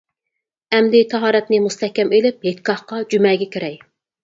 ئەمدى تاھارەتنى مۇستەھكەم ئىلىپ ھېيتگاھقا جۈمەگە كىرەي!